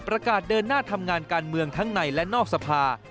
ประกาศเดินหน้าทำงานการเมืองทั้งในและนอกสภา